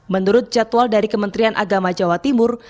menurut jadwal dari kementerian agama jawa timur